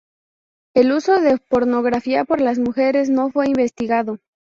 El uso de pornografía por las mujeres no fue investigado.